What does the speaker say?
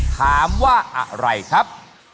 ถามว่าอะไรครับ